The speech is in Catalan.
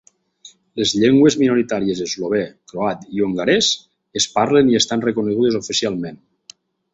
Les llengües minoritàries eslovè, croat i hongarès es parlen i estan reconegudes oficialment.